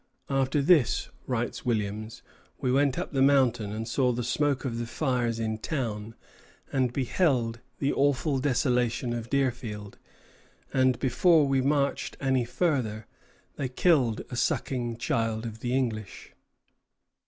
"After this," writes Williams, "we went up the mountain, and saw the smoke of the fires in town, and beheld the awful desolation of Deerfield; and before we marched any farther they killed a sucking child of the English."